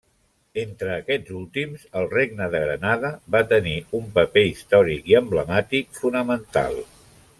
Entre aquests últims, el Regne de Granada va tenir un paper històric i emblemàtic fonamental.